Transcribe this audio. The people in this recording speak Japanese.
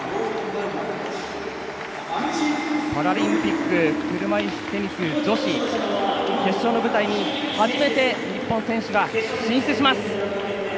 パラリンピック車いすテニス女子、決勝の舞台に初めて、日本の選手が進出します。